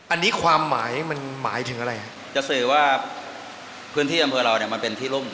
อันนี้ความหมายมันหมายถึงอะไรจะสื่อว่าพื้นที่อำเภอเราเนี่ยมันเป็นที่รุ่ม